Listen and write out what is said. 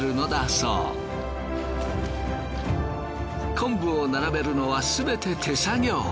昆布を昆布を並べるのはすべて手作業。